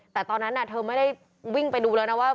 แต่ตอนนั้นเธอไม่ได้วิ่งไปดูแล้วนะว่า